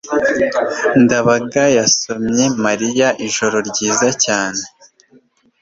ndabaga yasomye mariya ijoro ryiza cyane